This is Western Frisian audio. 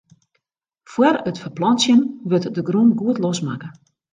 Fóár it ferplantsjen wurdt de grûn goed losmakke.